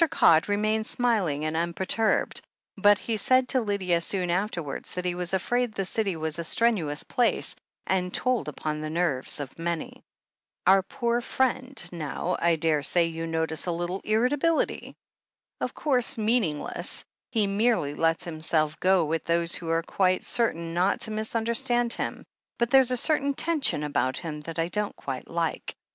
Codd remained smiling and unperturbed, but he said to Lydia soon afterwards that he was afraid the City was a strenuous place, and told upon the nerves of many. "Our poor friend, now — I daresay you notice a little irritability. Of course, meaningless — ^he merely lets himself go with those who are quite certain not to misunderstand him — ^but there's a certain tension about him that I don't quite like.